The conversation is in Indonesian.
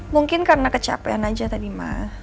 mungkin karena kecapean aja tadi mah